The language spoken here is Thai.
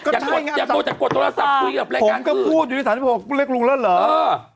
อย่ากดโทรศัพท์คุยกับแรกการคือผมก็พูดอยู่ที่๓๖เรียกลุงแล้วเหรอ